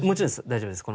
大丈夫です。